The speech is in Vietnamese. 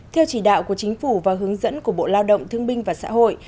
theo chỉ đạo của chính phủ và hướng dẫn của bộ lao động thương binh và xã hội